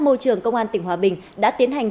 môi trường công an tỉnh hòa bình đã tiến hành